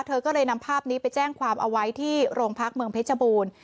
เธอก็เลยนำภาพนี้ไปแจ้งความเอาไว้ที่โรงพักเมืองเพชรบูรณ์